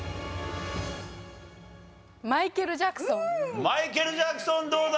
マイケル・ジャクソンどうだ？